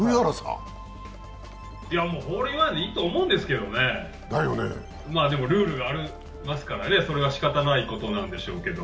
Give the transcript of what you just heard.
ホールインワンでいいと思うんですけどね、でもルールがありますからね、それはしかたないことなんでしょうけど。